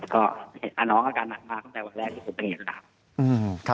ก็เห็นว่าน้องอาการหนักมากแต่วันแรกผมก็เห็นไงครับ